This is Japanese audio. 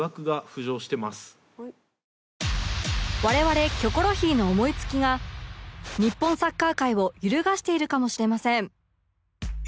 我々『キョコロヒー』の思い付きが日本サッカー界を揺るがしているかもしれません